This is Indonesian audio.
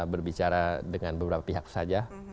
berbicara dengan beberapa pihak saja